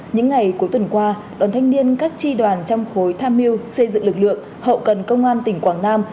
những ngày cuối tuần qua đoàn thanh niên các tri đoàn trong khối tham mưu xây dựng lực lượng hậu cần công an tỉnh quảng nam